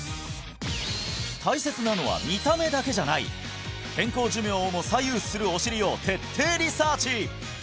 大切なのは見た目だけじゃない健康寿命をも左右するお尻を徹底リサーチ